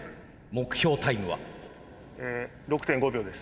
目標タイムは？え６．５秒です。